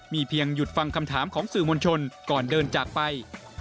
เพียงหยุดฟังคำถามของสื่อมวลชนก่อนเดินจากไป